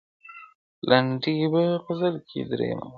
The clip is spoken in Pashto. لنډۍ په غزل کي- درېیمه برخه-